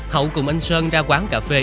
hậu cùng anh sơn ra quán cà phê